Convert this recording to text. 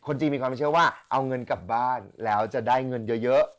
จริงมีความเชื่อว่าเอาเงินกลับบ้านแล้วจะได้เงินเยอะ